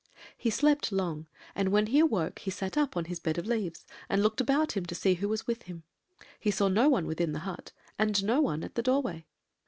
"He slept long, and when he awoke he sat up on his bed of leaves, and looked about him to see who was with him; he saw no one within the hut, and no one at the doorway.